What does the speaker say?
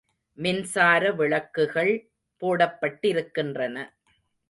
மின்சார விளக்குகள் போடப்பட்டிருக்கின்றன.